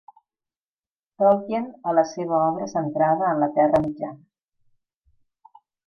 Tolkien a la seva obra centrada en la Terra Mitjana.